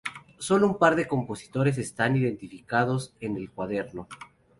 Sólo un par de compositores están identificados en el cuaderno.